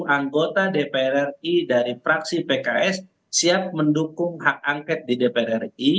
anggota dpr ri dari fraksi pks siap mendukung hak angket di dpr ri